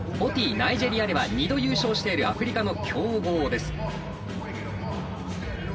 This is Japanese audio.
ナイジェリアでは２度優勝しているアフリカの強豪です。